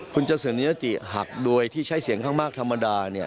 คุณเจ้าสื่อนิวเรียนหักโดยที่ใช้เสียงข้างมากธรรมดาเนี่ย